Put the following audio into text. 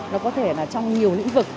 nó có thể là trong nhiều lĩnh vực